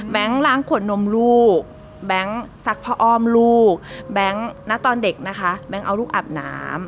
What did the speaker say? ล้างขวดนมลูกแบงค์ซักผ้าอ้อมลูกแบงค์ณตอนเด็กนะคะแบงค์เอาลูกอาบน้ำ